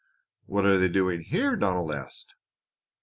"What are they doing here?" Donald asked.